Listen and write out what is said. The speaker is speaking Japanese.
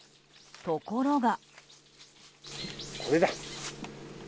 ところが。